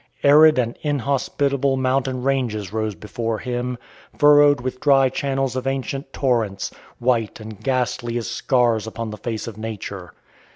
Arid and inhospitable mountain ranges rose before him, furrowed with dry channels of ancient torrents, white and ghastly as scars on the face of nature.